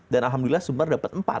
dan alhamdulillah sumbar dapat empat